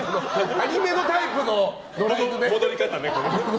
アニメのタイプの野良犬ね。